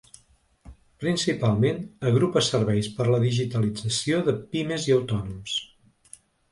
Principalment agrupa serveis per a la digitalització de pimes i autònoms.